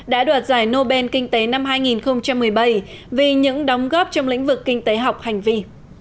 đã đề cập đến năm hai nghìn một mươi bảy vì những đóng góp trong lĩnh vực kinh tế học hành vi